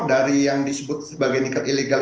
dari yang disebut sebagai nikel ilegal